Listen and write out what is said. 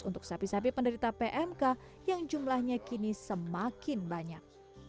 untuk sapi sapi penderita pmk yang jumlahnya kini semakin banyak